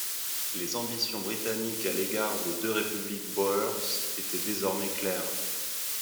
Les ambitions britanniques à l'égard des deux républiques boers étaient désormais claires.